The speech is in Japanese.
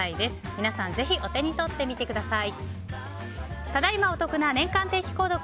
皆さんぜひお手に取ってみてください。